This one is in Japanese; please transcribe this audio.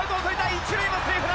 一塁はセーフだ！